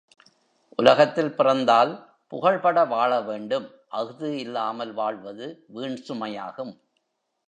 உலகத்தில் பிறந்தால் புகழ்பட வாழ வேண்டும் அஃது இல்லாமல் வாழ்வது வீண் சுமையாகும்.